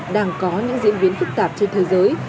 đang có những diễn biến phức tạp trên thế giới